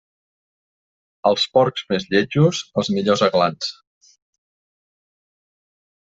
Als porcs més lletjos, els millors aglans.